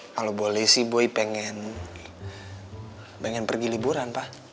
kalau boleh sih boy pengen pergi liburan pak